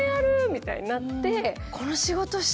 みたいになって。